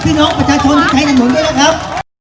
สวัสดีครับ